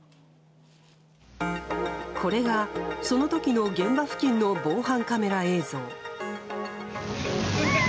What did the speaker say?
これが、その時の現場付近の防犯カメラ映像。